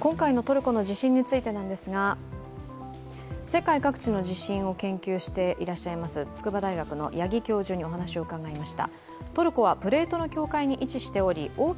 今回のトルコの地震についてですが、世界各地の地震を研究していらっしゃる筑波大学の八木教授にお話を伺いました。